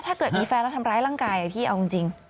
ถ้าเกิดมีแฟนแล้วทำร้ายร่างกายพี่เอาจริง